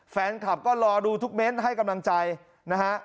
แฟนคลับก็รอดูทุกเม้นต์ให้กำลังใจนะฮะ